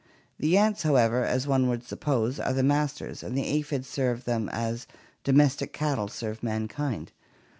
The ants, however, as one would suppose, are the masters and the aphids serve them as domestic cattle serve mankind.